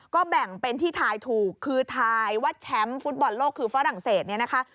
ก็แบ่งเป็นที่ทายถูกคือทายว่าแชมป์ฟุตบอลโลกคือฝรั่งเศสเนี่ยนะคะ